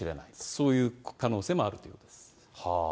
そういう可能性もあるということです。